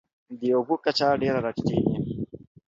د اوبو کچه ډېره راټیټېږي.